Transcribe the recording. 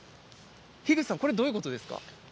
樋口さん、これはどういうことですか。